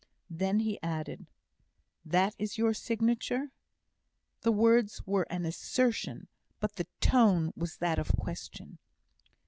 Then he added: "That is your signature?" The words were an assertion, but the tone was that of question.